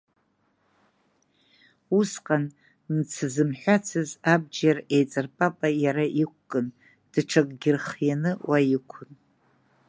Усҟан мцы зымҳәацыз абџьар еиҵарпапа иара иқәкын, даҽакгьы рхианы уа иқәын.